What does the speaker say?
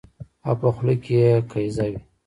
او په خوله کې يې قیضه وي